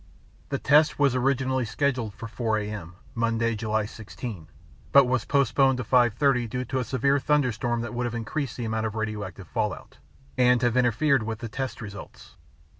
The test was originally scheduled for 4 a.m., Monday July 16, but was postponed to 5:30 due to a severe thunderstorm that would have increased the amount of radioactive fallout, and have interfered with the test results.